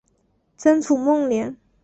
曾祖孟廉。